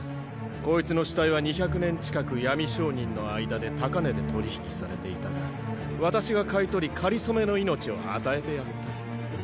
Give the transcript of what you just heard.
こいつの死体は２００年近く闇商人の間で高値で取り引きされていたが私が買い取りかりそめの命を与えてやった。